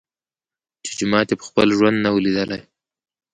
چي جومات یې په خپل ژوند نه وو لیدلی